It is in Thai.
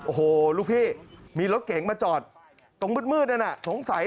โอ้โหลูกพี่มีรถเก๋งมาจอดตรงมืดนั่นน่ะสงสัย